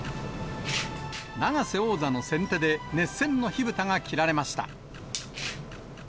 永瀬王座の先手で、熱戦の火ぶたが切られました。